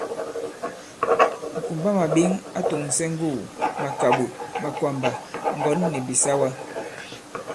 Ŋ̀kumbamàɓěŋ a tòŋsɛ ŋgugù, màkàɓò, makwàmbà, ŋgɔ̌n nì bìsawa.